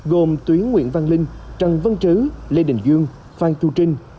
gồm tuyến nguyễn văn linh trần văn trứ lê đình dương phan chu trinh